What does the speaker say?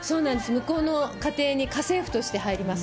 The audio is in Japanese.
向こうの家庭に家政婦として入ります。